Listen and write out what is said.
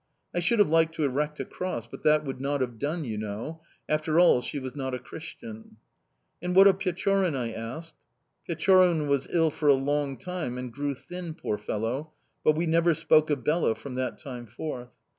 I should have liked to erect a cross, but that would not have done, you know after all, she was not a Christian." "And what of Pechorin?" I asked. "Pechorin was ill for a long time, and grew thin, poor fellow; but we never spoke of Bela from that time forth.